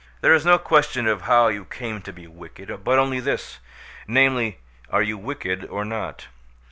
There is no question of how you came to be wicked, but only this—namely, are you wicked or not?